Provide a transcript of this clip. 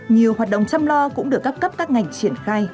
nhiều hoạt động chăm lo cũng được các cấp các ngành triển khai